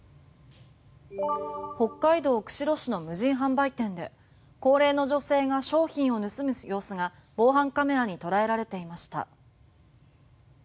北海道釧路市の無人販売店で高齢の女性が商品を盗む様子が防犯カメラに捉えられていました。